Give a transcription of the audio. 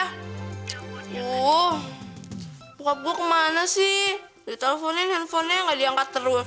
uh bokap gue kemana sih diteleponin handphonenya gak diangkat terus